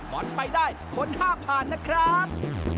บอลไปได้คนห้ามผ่านนะครับ